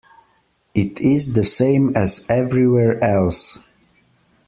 It is the same as everywhere else.